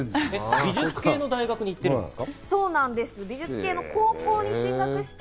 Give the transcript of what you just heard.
美術系の大学に行ってるんですか？